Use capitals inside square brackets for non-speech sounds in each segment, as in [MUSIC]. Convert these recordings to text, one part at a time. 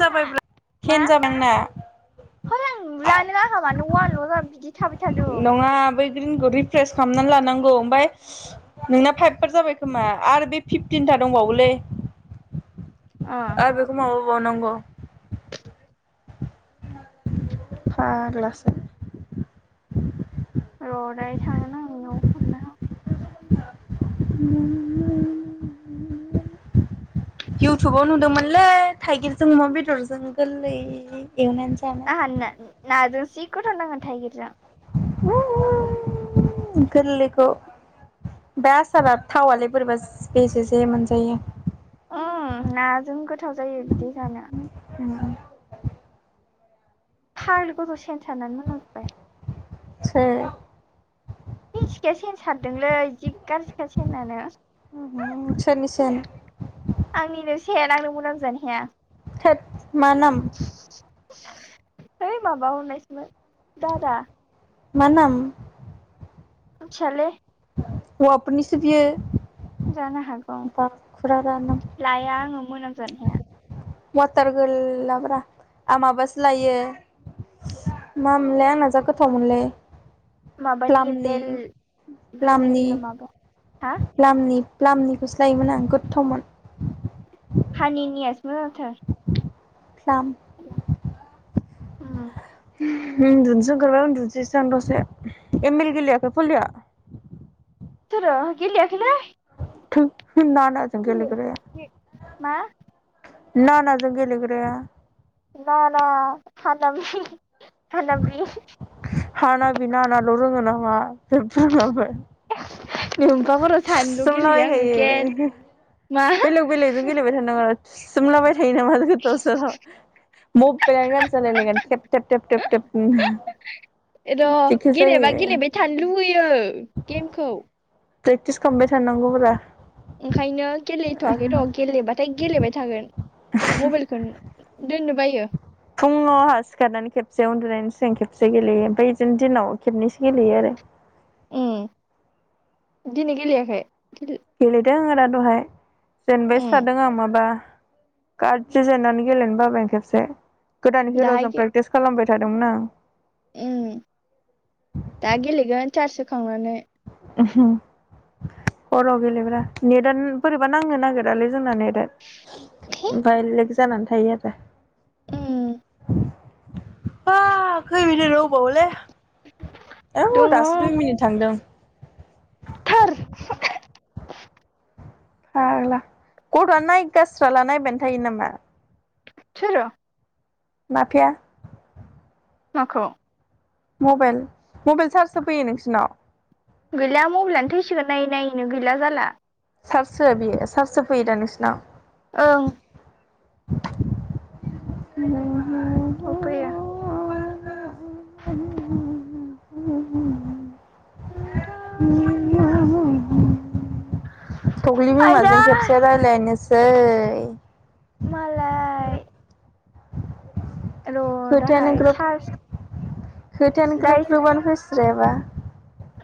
हा मा टेन जाबाय आंना हर आं जानोबा था मानो वान ल' जा बिदि थाबाय थादों नङा बै ग्रिनखौ रिफ्रेस खालामना लानांगौ ओमफाय नोंना फाइभ फोर जाबाय खोमा आरो बे फिफटिनथा दंबावोलै ओ आरो बेखौ माबा बावनांगौ फाग्लासो र' दायो थांगोन आं नोंनाव हरना [INAUDIBLE] इउटुबाव नुदोंमोनलै थाइगिरजों अमा बेदरजों गोरलै एवनानै जा फाननो नाजों जि गोथाव नाङो थाइगिरजों ओउउउउउ गोरलैखौ बे आसारा थावालै बोरैबा बेसेे जे मोनजायो ओम नाजों गोथाव जायो बिदि जानो ओम फाग्लि गथ' सेन सारनानै मोनामजोबबाय सोर मिथिखाया सेन सारदोंलै जि गाज्रिखा सेनानो ओमहु सोरनि सेन आंनिनो सेन आंनो मोनामजानो हाया थोथ मा नाम है माबा हरनायसोमोन दादा मा नाम मोन्थियालै होवाफोरनिसो बियो जानो हागौ बाखुरारानो लाया आङो मोनामजानो हाया वाटार गोल ला ब्रा आ माबासो लायो मा मोनलाय आंना जा गोथाव मोनलै माबानि प्लामनि बेल बेल माबा हा लामनि प्लामनिखौसो लायोमोन आं गोथावमोन हानि नियासो मोजांथार प्लाम ओम होम उन्दुनोसो ओंखारबाय उन्दुनोसैसो आं दसे एम एल गेलेयाखै फलिया सोरो गेलेयाखैलै थोद नानाजों गेलेग्राया मा नाना जों गेलेग्राया ना ना हानाबनि हानाबनि हानाबि नानाल' रोङो नामा जेबो रोंला ओमफाय नोम्फा खर' सानैल' गेलेयो आङो केेल थुसोमलाबायखायो मा बेलेग बेलेगजों गेलेबाय था नोङो थुसोमलाबाय थायो नामा गोदाव सोराव मबाइलानो गाज्रि जालायलायगोन थेब थेब थेब थेब नो र' गेलेबा गेलेबाय थानो लुबैयो गेमखौ प्रेकटिस खालामबाय थानांगौब्रा ओंखायनो गेलेथ'वाखै र' गेलेबाथाय गेलेबाय थागोन मबाइलखौन दोननो बायो फुङाव आहा सिखारनानै खेबसे उन्दुनायनि सिगां खेबसे गेलेयो ओमफाय बिदिनो दिनाव खेबनैसो गेलेयो आरो ओम दिनै गेलेयाखै गेलेदों आरो दहाय जेनबायसो उम थादों आं माबा गारजि जानानै गेलेनो बाबाय आं खेबसे गोदान दाहाय हिर'जों प्रेक्टिस खालामबाय थादोंमोन आं ओम दा गेलेगोन चार्ज होखांनानै उमहु हराव गेलेब्रा नेटानो बोरै माबा नांनो नागिरालै जोंना नेटा ओमफाय लेक जानानै थायो आरो उम आ खै मिनिट दंबावोलै औ दासो दुइ मिनिट थांदों थोर हाग्ला गथ'आ नायगास्राला नायबायानो थायो नामा सोरो माफिया माखौ मबाइल मबाइल चार्ज होफैयो नोंसिनाव गैला मबाइलानो थैसिगोन नायै नायैनो गैला जाला चार्ज हो बियो चार्ज होफैयो दा नोंसिनाव ओं आरोहा होफैयो थ' थख्लि आयदै बिमाजों खेबसे रायजलायनोसै मालाय र' खोथायानो दाहाय ग्रोब सार्ज खोथायानो ग्रोब ग्रोबानो होैस्रायबा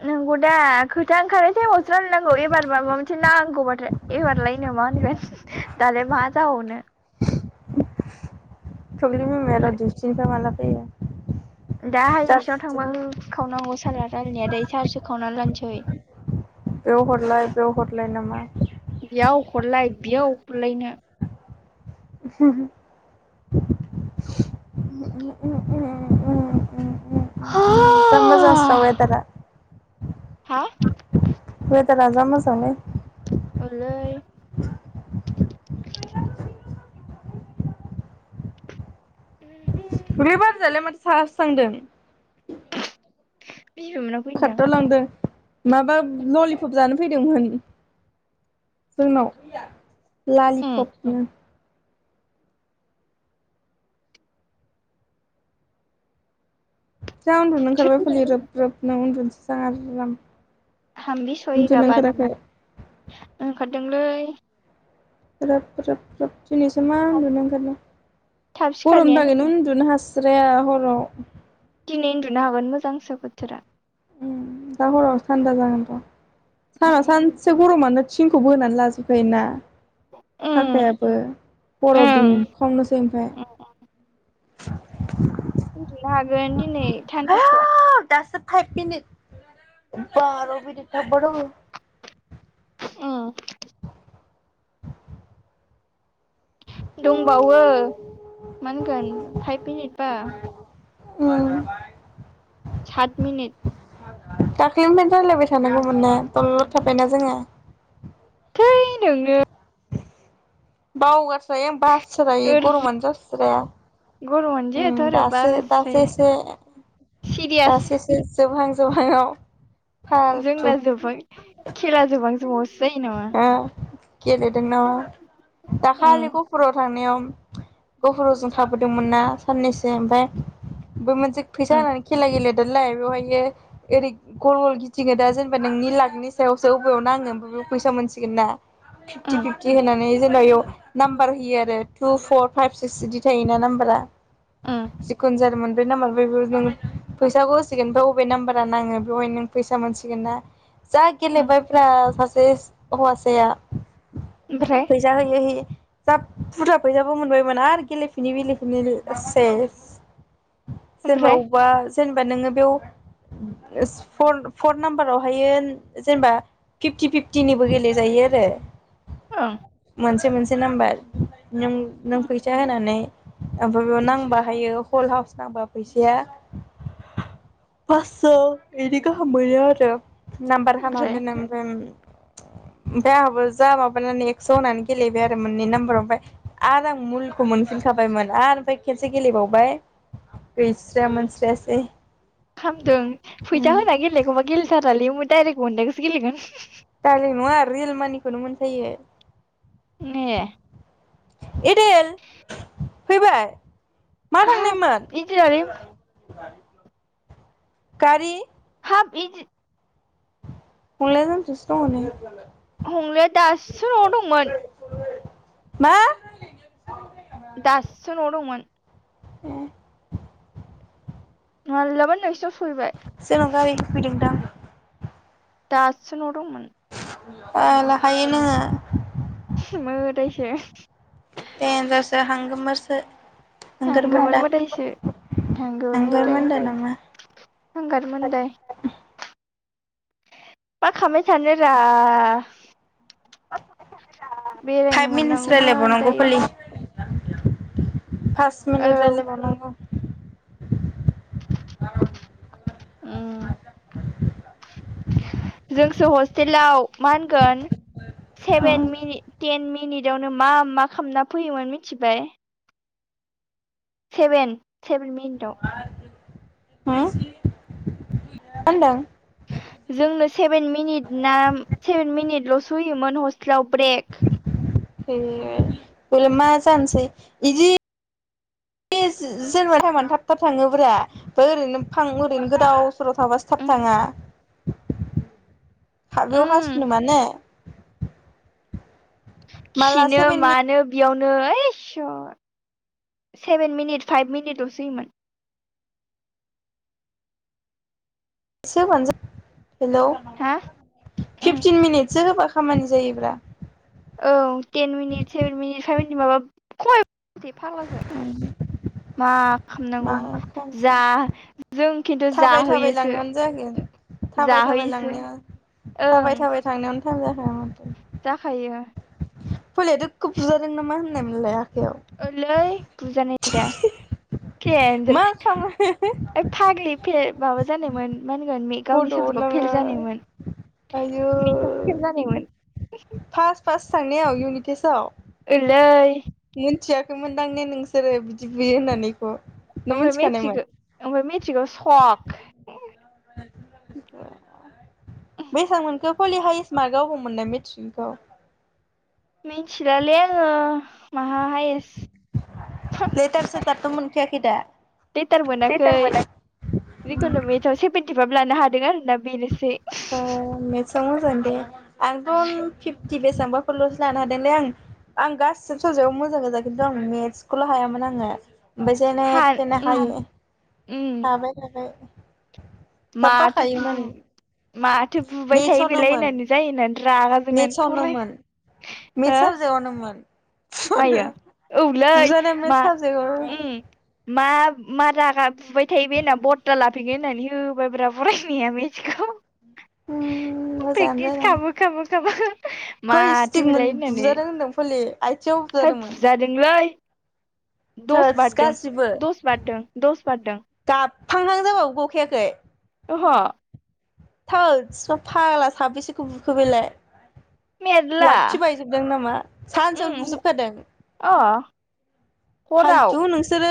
नंगौ दे खोथा ओंखारनाय टाइमावसो रानलनांगौ एबार माबा मोनसे नांगौबाथाय एबारलायनो मा होनगोन दालाय मा जाबावनो थखलि बिमाया र' दिउथिनिफ्राय माला फैयो दाहायसनाव जारसि थांबा हो खावनांगौ सारला रायलायनाया दै सारसो खावनानै लानोसै बेयाव हरलाय बेयाव हरलाय नामा बेयाव हरलाय बेयाव हरलायनो ह उ- उ- उ- जामबा जास्राबाय दाना हा बेुथ राजजामसाव ने अलै बिदि बोरैबार जालाय माथो साहास्रांदों [UNINTELLIGIBLE] खटद लांदों माबा ललिपप जानो फैदोंमोन जोंनाव उम ललिपनो जा उन्दुनो ओंखारबाय फुलि रोब रोब नों उन्दुनोसै जां आरो आराम हामबि सएगा उन्दुनो बादमें ओंखाराखै उन्दुनो ओंखारदोंलै ग्राब ग्राब ग्राब दिनैसो मा उन्दुनो ओंखारनो थाब गरम सिखारनायानो थाखायनो दिन उन्दुनो हास स्राया हराव दिनै उन्दुनो हागोन मोजांसो बोथोरा उम दा हराव थान्दा जागोनथ' साना उम सानसे गरमानो सिंखौ बोनानै लाजोबखायोना ओं फाखायाबो हराव दुंखावनोसै ओमफाय उनदुनो हागोन दिनै थानदासो खायपिनि बाराव बि दिथा ब' उम दंबावो मा होनगोन फाइभ मिनिट बा उम सात मिनिट दाख्ललिनिफ्रायनो राय्लायबाय थानांगौमोन ना थलद थाबायना जोङो थै नोंनो बावगास्रायो बास्रायो ओर गरमानो जास्राया गरमानो उम जायाथ' आरो बा दासो दासो होस्रायो एसे सिरियास दासोसो जोबहां जोबहांवाव जोंना जोबबाय खेला जोबां जोबां अ गेलेदों नामा उम दाखालिबो गपुराव थांनायाव गफुराव जों थाबोदोंमोन ना साननैसो ओमफ्राय बे मोन जों फैसा उम होनानै खेला गेलेदोलाय बेवहायो ओरै गल गल गिथिङो दा जेनेबा नोंनि लाखनि सायावसो बबेयावनो नांङो ओमफ्राय फैसा मोनसिगोन ना फिफ्टि उम फिफ्टि होनानै जेनबायाव नाम्बार होयो आरो टु फर फाइभ सिक्स बिदि थायोना नाम्बारा उम जिखुनु जादोंमोन बबे नाम्बारफ्राय नों फैसाखौ होसिगोन ओमफ्राय बबे नाम्बारा नाङो बेवहाय नों फैसा मोनसिगोन ना जा उम गेलेबाय ब्रा सासे हौवासाया ओमफ्राय फैसा होयै होयै जाब बुरजा फैसाबो मोनबायमोन आरो गेलेफिनै बिलेफिनै सेस जेनेबा ओमफ्राय अबेबा जेनेबा नोङो बेयाव फर फर नाम्बारावहायो जेनेबा फिफ्टि फिफ टिनिबो गेलेजायो आरो ओं मोनसे मोनसे नाम्बार नों नों फैसा होनानै ओमफ्राय बेयाव नांबा हायो हल हाउस नांबा फैसाया फासस' बिदि गाहाम मोनो आरो नाम्बार हाना ओमफ्राय दोननो ओमफाय ओमफ्राय आंहाबो जा माबानानै एक्स' होननानै गेलेबाय आरो मोननै नाम्बाराव ओमफ्राय आरो आं मुलखौ मोनफिनखाबायमोन आरो ओमफ्राय खेसे गेलेबावबाय गैस्राया मोनस्रायासै हामदों फैसा होना गेलेनायखौबा गेलेथारालै डाइरेक मोननायखौसो गेलेगोन दालि नङा रियेल मानिखौनो मोनखायो ने एडेल फैबाय माहा थांनायमोन इदि आर इ गारि हाब इदि हंलाया जोंनिथिंसो दंङ नै हंलाया दासो न'आव दंमोन मा दाससो न'आव दंमोन [INAUDIBLE] मालाबानो नोंसिनाव सहैबाय जोंनाव गारि फैदोंं दां दासो न'आव दंमोन बाला हायो नोंङो मोदायसो देनजारसो हांगोमोरसो थांगौमोन आंगोरमोनदा मोदायसो थांगौमोन मोदाय आंगोरमोनदा नंआ हांगार मोनदाय मा खालामबाय थानोरा बेरायनो फाइभ मिनिटस मोननांगौमोन रायलायबावनांगौ दायो फालि फास औ मिनिट रायलायबावनांगौ उम जोंसो हस्टेलाव मा होनगोन सेभेन उम उम मिनि टेन मिनिटआवनो मा मा खालामना फैयोमोन मिथिबाय सेभेन सेभेन मिनिदआव हो माहोनदों जोंनो सेभेन मिनिट ना सेभेन मिनिटल'सो होयोमोन हस्टेलाव ब्रेक एट बेयावलाय मा जानसै इदि बे जेनबा टाइमानो थाब थाब थाङोब्रा ओरैनो फां ओरैनो गोदाव सोराव थाबासो थाब उम थाङा। हाबेयाव उम हासुनो मानो माला खिनो सेभेन मिनिट मानो बेयावनो ए सर सेभेन मिनिट फाइभ मिनिटल'सो होयोमोन। एसे होबानो जायो हेलौ हा उम फिफटिन मिनिटसो होबा खामानि जायोब्रा। औ टेन मिनिट सेभेन मिनिट फाइभे मिनिट माबा [UNINTELLIGIBLE] फाग्लासो। मा मा खामनांगौ खालामसै जा जों खिन्थु थाबाय थाबाय जाहोयोसो। लांनायावनो जागोन थाबाय थाबाय जाहोयोसो लांनायाव ओं। थाबाय थाबाय थांनायावनो टाइम जाखागोन माथो। जाखायो। फलाया दोखखो बुजादों नामा होननायमोनलाय आखायाव? ओंलै बुजानाय दा केन्देल मा खालामनाय फाग्लि फे माबा जानायमोन मा होनगोन मि गावनि बड'आवनो साबजेकआव फेल जानायमोन मेन्थस आव फेल जानायमोन। फास्ट फास्ट साननायाव इउनिटेसआव? ओलै मोनथियाखैमोनदां ने नोंसोरो बिदि बुयो होननानै इखौ? ओमफ्राय मेट्रिक ओमफ्राय मेट्रिकआव सक। बेसां मोनखो फलि हाइस्ट मार्क अबाव मोननाय मेट्रिकखौ? मिथिलालै आङो माहा हायेस्ट। लेटार सेथारथ' मोनखयाखै दा लेटार मोना जिकुनु मेथ्सआव सेभेेनटिफाइभ लानो हादों आरोना बेनोसै। ओ मेथ्सआव मोजां दे आंथ' फिफटि बेसेबांबाफोरलसो लानो हादोंलै आं। आं गासैबो सबजेक्टआव मोजां गोजा खिन्थु आं मेथ्सखौल' हायामोन आङो। ओमफाय हा जेनेथेने हायो उम उम हाबाय नालाय। माथो बु माथो बुबाय थायो बेलाय मेथ्सआवनोमोन होननानै रायनानै रागा जोंनानै फराय हो दनमोन। मायो औलै मा मेथ्स साबजेक्टआव उम मा मा रागा बुबाय थायो बे होनना बदला लाफैगोन होननानै होबायब्रा फायनाया मेथ्सखौ। उम मोजाङानो फ्रेक्टिस जादों खामो खामो खामो खै स्टिक मोन बुजादों होन्दों फलि आइथिंआव हाय बुजादोंलै दस थोस बारदों गासिबो दस बारदों दस बारदों। गाबहांहां जाबावो गखायाखै। ओहो। थोथस फाग्ला साबबेसेखौ बुखो बेलाय? मेरला लावथि बायजोबदों नामा सानसेयावनो उम बुजोबखादों? अ हराव फालथु नोंसोरो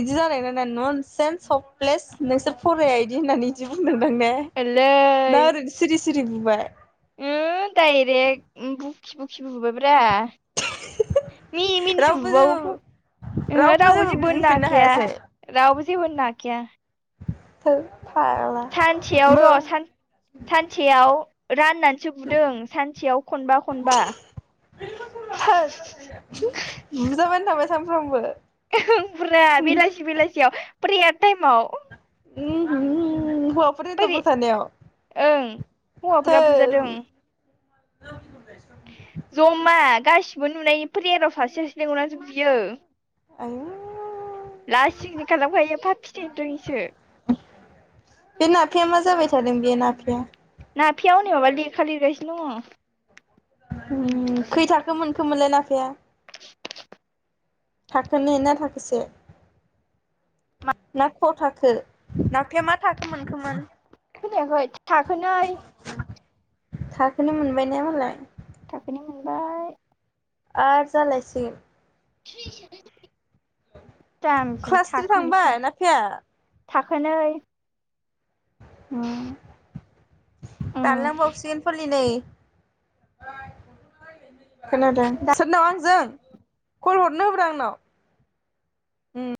इदि जानाय ना ना नन सेन्स हफप्लेस नोंसोर फराया इदि होननानै बिदि बुंदोंदां ने? एलै ना ओरैनो सिरि सिरि बुबाय उम डायरेक्ट बुखि बुखि बुबायब्रा मिनि मिनिसो रावबो बुबावो जेबो फ ओहो रावबो जेबो होननो हाखाया रावबो जेबो होननो हाखाया। थो फाग्ला सानसेयाव बो र' सान सानसेयाव राननानै सो बुदों सानसेयाव खनबा खनबा थोर बुजाबायानो थाबाय सानफ्रामबो ओं ब्रा उम बेलासि बेलासियाव प्रेयार टाइमाव। उम हु हौवाफोर बोरै हिन्जावफोर थानायाव ओं थो हौवाफ्रा बुजादों [UNINTELLIGIBLE] जमा गासिबो नुनायनि प्रेयाराव सासे सासे लेंंहरनानैसो बुयो। आयौ लासिंसिं खालामखायो फाफि थैनोरोङिसो। बे ना बे मा जाबाय सोलों बेयो नाफेया नाफिवा हनै माबा लेखा लिरगासिनो दङ। ओम खै थाखो मोनखोम मोनलाय नाफेया? थाखोनै ना थाखोसे? ना ख' थाखो? नाफेया मा थाखो मोनखोमोन? [UNINTELLIGIBLE] थाखोनै। थाखोनै मोनबाय ने मालाय? थाखोनै मोन आर जालायसिगोन [UNINTELLIGIBLE] जामबि क्लास थ्रि थांबाय थाखोनैसो। नाफाया थाखोनै। उम उम दारलांबावसि फोरनि नै। खोनादों, सोरनाव आंजों? कल हरनो होब्रा आंनाव। उम